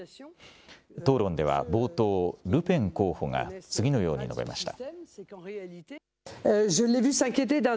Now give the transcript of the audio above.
討論では冒頭、ルペン候補が次のように述べました。